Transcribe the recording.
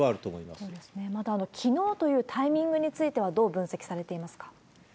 また、きのうというタイミングについては、どう分析されています